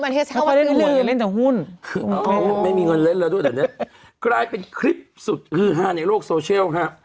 มันเท่าไหร่เล่นจากหุ้นไม่มีคนเล่นแล้วด้วยแบบนี้กลายเป็นคลิปสุดฮื้อห้าในโลกโซเชียลฮะ